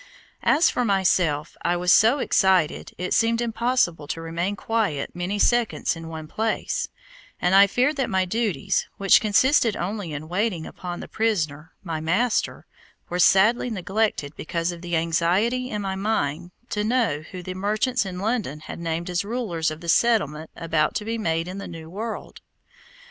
As for myself, I was so excited it seemed impossible to remain quiet many seconds in one place, and I fear that my duties, which consisted only in waiting upon the prisoner, my master, were sadly neglected because of the anxiety in my mind to know who the merchants in London had named as rulers of the settlement about to be made in the new world.